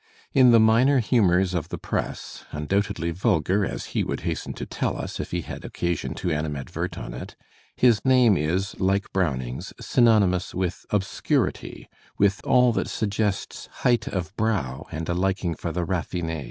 In the minor humours of the press, undoubtedly vulgar, as he would hasten to tell us if he had occasion to animadvert on it, his name is, like Browning's, gfynonymous with obscur ity, with all that suggests height of brow and a liking for the raffin£.